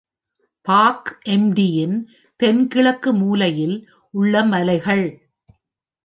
பார்க்-எம்டி-யின் தென்கிழக்கு மூலையில் உள்ள மலைகள்.